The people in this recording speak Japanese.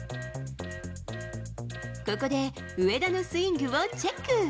ここで上田のスイングをチェック。